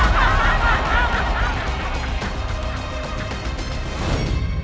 ไปต่อ